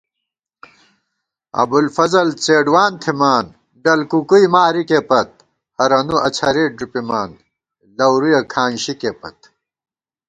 ابُوالفضل څېڈوان تھِمان، ڈل کُکُوئی مارِکےپت * ہرَنُو اڅَھرېت ݫُپِمان لَورُیَہ کھانشِکےپت